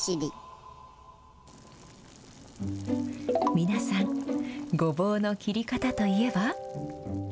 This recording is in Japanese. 皆さん、ごぼうの切り方といえば。